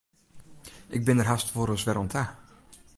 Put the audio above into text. Ik bin der hast wolris wer oan ta.